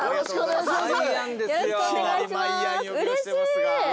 いきなりまいやん呼びをしてますが。